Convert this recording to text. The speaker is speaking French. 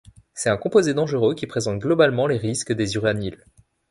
C'est un composé dangereux qui présente globalement les risques des uranyles.